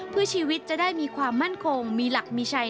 เพื่อชีวิตจะได้มีความมั่นคงมีหลักมีชัย